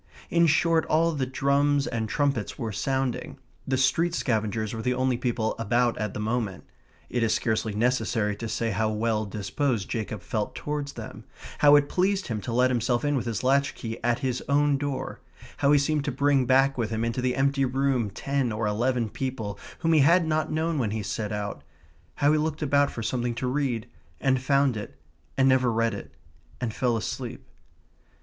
In short, all the drums and trumpets were sounding. The street scavengers were the only people about at the moment. It is scarcely necessary to say how well disposed Jacob felt towards them; how it pleased him to let himself in with his latch key at his own door; how he seemed to bring back with him into the empty room ten or eleven people whom he had not known when he set out; how he looked about for something to read, and found it, and never read it, and fell asleep.